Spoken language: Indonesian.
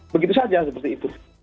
begitu saja seperti itu